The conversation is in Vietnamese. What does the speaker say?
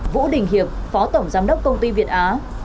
vũ đình hiệp phó tổng giám đốc công ty việt á